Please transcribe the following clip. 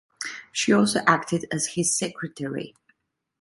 She also acted as his secretary.